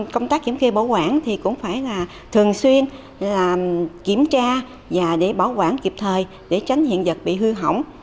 công tác kiểm kê bảo quản thì cũng phải là thường xuyên kiểm tra và để bảo quản kịp thời để tránh hiện vật bị hư hỏng